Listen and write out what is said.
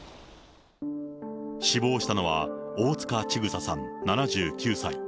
死亡したのは、大塚千種さん７９歳。